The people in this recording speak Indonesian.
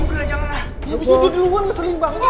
dia bisa di duluan keselin banget